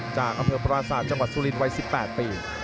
จากอำเภอประวัติศาสตร์จังหวัดสุรินทร์วัยสิบแปดปี